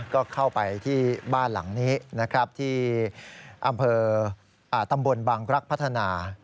ก็เข้าไปที่บ้านหลังนี้นะครับที่อำเภอตำบลบังรักษ์พัฒนา